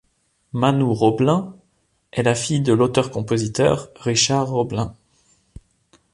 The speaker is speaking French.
Manou Roblin est la fille de l'auteur-compositeur Richard Roblin.